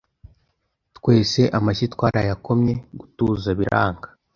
Twese amashyi twarayakomye gutuza biranga